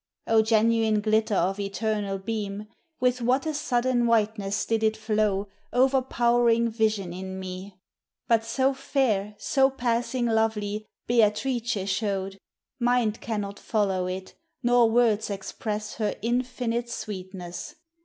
O genuine glitter of eternal Beam! With what a sudden whiteness did it flow, O'erpoweririg vision in me. But so fair, So passing lovely, Beatrice showed, Mind cannot follow it, nor words express Her infinite sweetness.